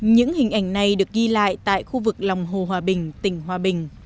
những hình ảnh này được ghi lại tại khu vực lòng hồ hòa bình tỉnh hòa bình